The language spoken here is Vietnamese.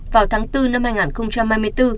vào tháng bốn năm hai nghìn hai mươi bốn